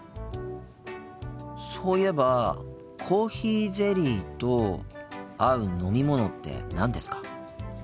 そういえばコーヒーゼリーと合う飲み物って何ですか？